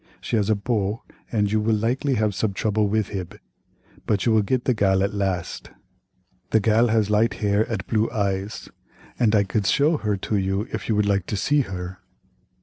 She has a beau ad you will likely have sobe trouble with hib, but you will get the gal at last. The gal has light hair ad blue eyes, ad I cad show her to you if you would like to see her."